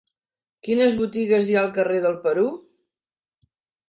Quines botigues hi ha al carrer del Perú?